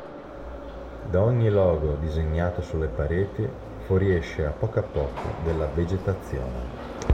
Da ogni logo disegnato sulle pareti, fuoriesce a poco a poco della vegetazione.